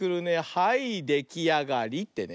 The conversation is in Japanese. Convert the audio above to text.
はいできあがりってね。